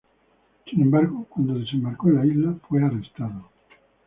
Sin embargo, cuando desembarcó en la isla fue arrestado.